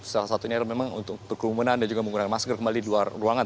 salah satunya memang untuk berkerumunan dan juga menggunakan masker kembali di luar ruangan